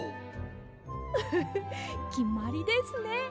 フフきまりですね。